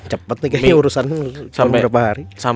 cepet nih kayaknya urusan berapa hari